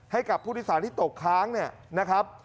ให้กับผู้โดยสารที่ตกค้างเนี่ยนะครับ